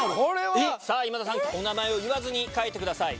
ピンポンお名前を言わずに書いてください。